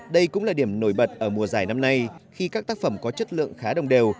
đây cũng là điểm nổi bật ở mùa giải năm nay khi các tác phẩm có chất lượng khá đồng đều